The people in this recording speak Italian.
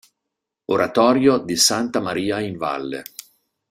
Oratorio di Santa Maria in Valle